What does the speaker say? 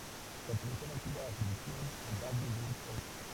Perteneció a la antigua Jurisdicción del Valle de Torío.